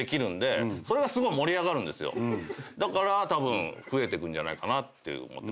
だからたぶん増えてくんじゃないかなって思ってます。